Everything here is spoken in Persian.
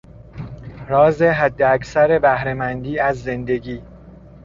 راز حداکثر بهرهمندی از زندگی